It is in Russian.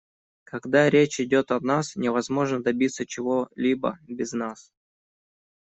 Когда речь идет о нас, невозможно добиться чего-либо без нас.